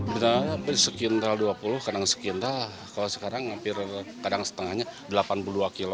biasanya sekitar dua puluh kadang sekitar kalau sekarang hampir kadang setengahnya delapan puluh dua kilo